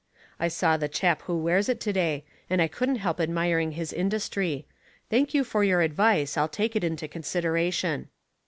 "I saw the chap who wears it to day, and I couldn't help admiring his industry. Thank you for your advice, I'll take it into considera tion."